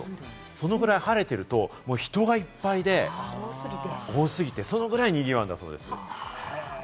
そのぐらい晴れてると人がいっぱいで、多すぎて、そのぐらい賑わうんだそうです。